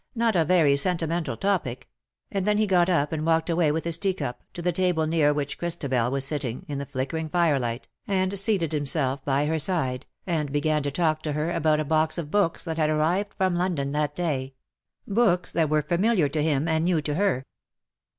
" Not a very senti mental topic ;" and then he got up and walked away with his teacup^ to the table near which Christabel was sittings in the flickering fire light^ and seated himself by her side^ and began to talk to her about a box of books that had arrived from London that day — books that were familiar to him and new to her.